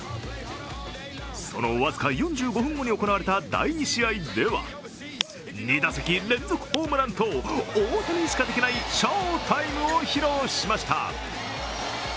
その僅か４５分後に行われた第２試合では２打席連続ホームランと、大谷にしかできない翔タイムを披露しました。